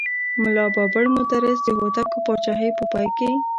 ملا بابړ مدرس د هوتکو پاچاهۍ په پای کې.